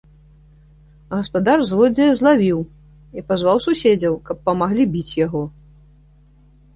Гаспадар злодзея злавіў і пазваў суседзяў, каб памаглі біць яго.